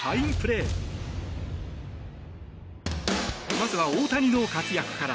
まずは大谷の活躍から。